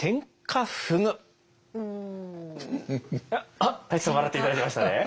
あ舘さん笑って頂けましたね。